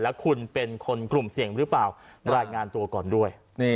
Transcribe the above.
แล้วคุณเป็นคนกลุ่มเสี่ยงหรือเปล่ารายงานตัวก่อนด้วย